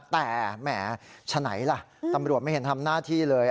แต่แหมฉะไหนล่ะตำรวจไม่เห็นทำหน้าที่เลย